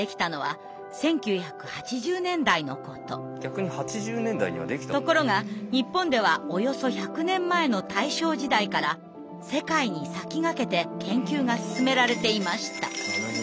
非常に身近な病ですがところが日本ではおよそ１００年前の大正時代から世界に先駆けて研究が進められていました。